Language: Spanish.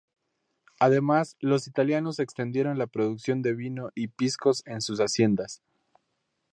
Además, los italianos extendieron la producción de vino y piscos en sus haciendas.